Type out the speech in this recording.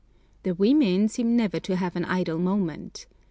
The women seem never to have an idle moment.